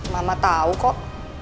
mama tau kok